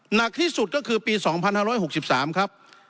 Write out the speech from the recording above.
หนักที่สุดก็คือปี๒๕๖๓ครับ